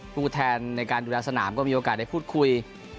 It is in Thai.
ผู้แทนในการดูแลสนามก็มีโอกาสได้พูดคุย